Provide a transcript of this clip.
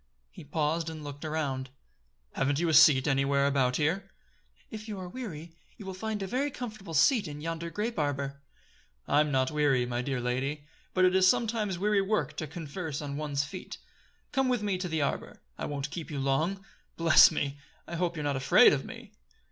He paused and looked around. "Haven't you a seat anywhere about here?" "If you are weary, you will find a very comfortable seat in yonder grape arbor." "I'm not weary, my dear lady; but it is sometimes weary work to converse on one's feet. Come with me to the arbor. I won't keep you long. Bless me! I hope you're not afraid of me."